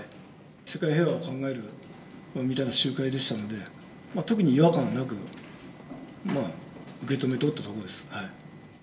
世界平和を考えるみたいな集会でしたので、特に違和感なく、受け止めておったところです。